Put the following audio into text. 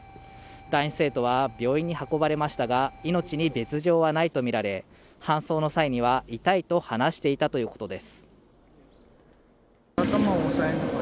男子生徒は病院に運ばれましたが命に別状はないとみられ搬送の際には痛いと話していたということです